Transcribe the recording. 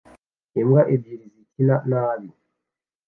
Imbwa ebyiri zikina nabi